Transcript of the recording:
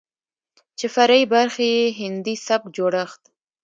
چې فرعي برخې يې هندي سبک جوړښت،